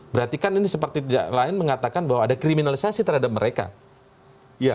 berarti kan ini seperti tidak lain mengatakan bahwa ada kriminalisasi terhadap mereka